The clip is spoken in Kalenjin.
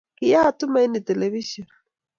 Kiyat Tumaini telebision